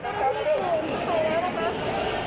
เพราะตอนนี้ก็ไม่มีเวลาให้เข้าไปที่นี่